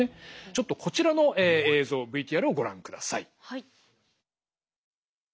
ちょっとこちらの映像ＶＴＲをご覧ください。